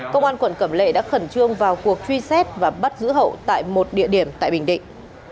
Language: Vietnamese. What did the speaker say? công an quận cẩm lệ đã khẩn trương vào cuộc truy xét và bắt giữ hậu tại một địa điểm tại bình định